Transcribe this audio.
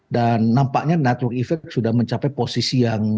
dan nampaknya network effect sudah mencapai posisi yang terbaik